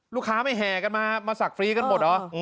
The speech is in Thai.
ลูกค้าไม่แห่กันมามาสักฟรีกันหมดเหรอ